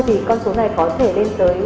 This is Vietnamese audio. thì con số này có thể lên tới